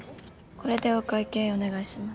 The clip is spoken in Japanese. これでお会計お願いします。